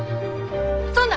そんな！